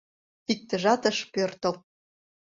Иктыжат ыш пӧртыл.